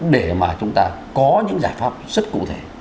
để mà chúng ta có những giải pháp rất cụ thể